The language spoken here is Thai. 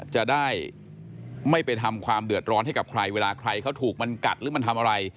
จะได้ไม่ไปทำความเดือดร้อนให้กับใครเวลาใครเขาถูกมันกัดหรือมันทำอะไร